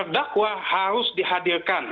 dakwah harus dihadirkan